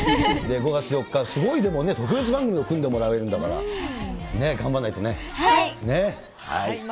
５月８日、すごい、でもね、特別番組を組んでもらえるんだから、頑張んないとね。